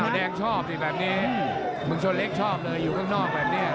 แดงชอบสิแบบนี้มึงชนเล็กชอบเลยอยู่ข้างนอกแบบนี้